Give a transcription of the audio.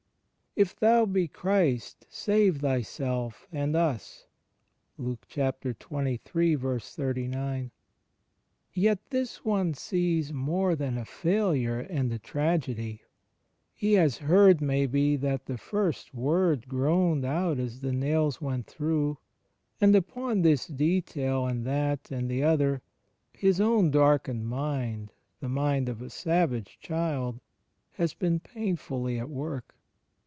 ... "If thou be Christ, save Thyself, and us." ^ Yet this one sees more than a failure and a tragedy : he has heard, maybe, that first Word groaned out as the nails went through; and upon this detail and that and the other, his own dark ened mind — the mind of a savage child — has been painfully at work.